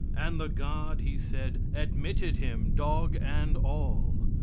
"And the God," he said, "admitted him, dog and all."